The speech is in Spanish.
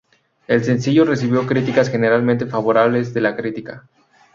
El sencillo recibió críticas generalmente favorables de la crítica.